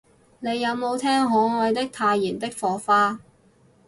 你有無聽可愛的太妍的火花